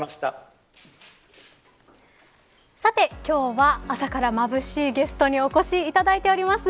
さて、今日は朝からまぶしいゲストにお越しいただいております。